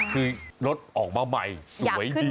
คือรถออกมาใหม่สวยดี